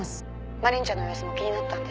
「マリンちゃんの様子も気になってたんで」